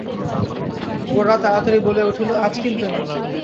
গোরা তাড়াতাড়ি বলিয়া উঠিল, আজ কিন্তু নয়।